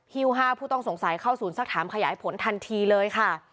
ฮิว๕ผู้ต้องสงสัยเข้าศูนย์สักถามขยายผลทันทีเลยค่ะ